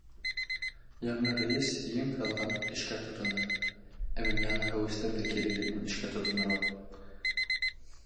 Яңы рәйес ең һыҙғанып эшкә тотона.